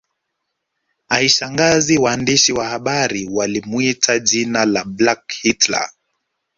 Haishangazi waandishi wa habari walimwita jina la Black Hitler